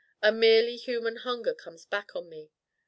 A merely human hunger comes back on me.